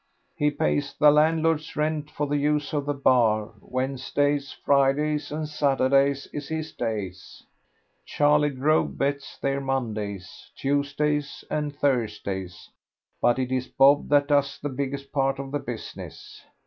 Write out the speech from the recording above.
He pays the landlord's rent for the use of the bar Wednesdays, Fridays, and Saturdays is his days. Charley Grove bets there Mondays, Tuesdays, and Thursdays, but it is Bob that does the biggest part of the business.